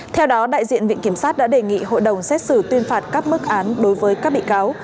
theo đó đại diện viện kiểm sát đã đề nghị hội đồng xét xử tuyên phạt các mức án đối với các bị cáo